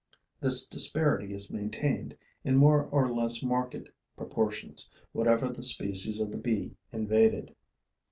This disparity is maintained, in more or less marked proportions, whatever the species of the bee invaded.